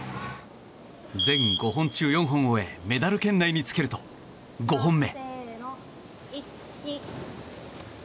全５本中４本を終えメダル圏内につけると５本目。